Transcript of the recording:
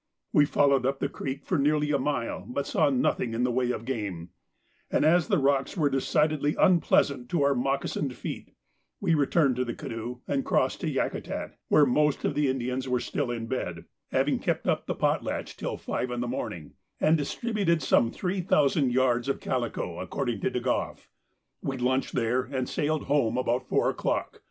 We followed up the creek for nearly a mile, but, saw nothing in the way of game, and as the rocks were decidedly unpleasant to our moccasined feet we returned to the canoe and crossed to Yakutat, where most of the Indians were still in bed, having kept up the potlatch till five in the morning, and distributed some three thousand yards of calico, according to De Groff. We lunched there, and sailed home about four o'clock.